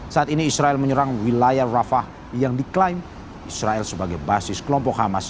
saat ini israel menyerang wilayah rafah yang diklaim israel sebagai basis kelompok hamas